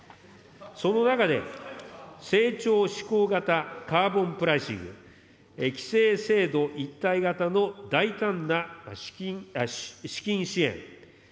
その中で、成長志向型カーボンプライシング、規制制度一体型の大胆な資金支援。